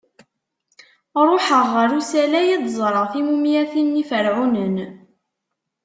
Ruḥeɣ ɣer usalay ad d-ẓreɣ timumyatin n Yiferɛunen.